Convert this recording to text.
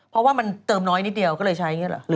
เพราะว่ามันเติมน้อยนิดเดียวก็เลยใช้อย่างนี้หรอ